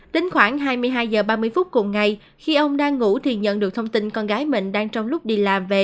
đến khoảng hai mươi hai h ba mươi phút cùng ngày khi ông đang ngủ thì nhận được thông tin con gái mình đang trong lúc đi làm về